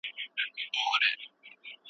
خوسر د زوم دښمني په څه خاطر کوي؟